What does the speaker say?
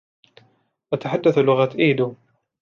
أتحدث لغة إيدو.